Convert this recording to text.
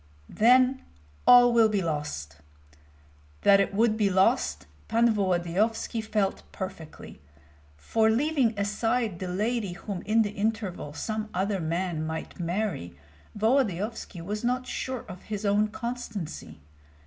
Then all will be lost! That it would be lost Pan Volodyovski felt perfectly; for leaving aside the lady whom in the interval some other man might marry, Volodyovski was not sure of his own constancy.